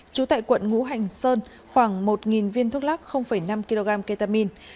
trú tại quận ngũ hành sơn khoảng một viên thuốc lắc năm kg ketamine